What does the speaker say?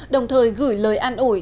đồng thời gửi lời an ủi